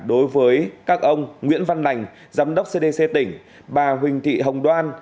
đối với các ông nguyễn văn lành giám đốc cdc tỉnh bà huỳnh thị hồng đoan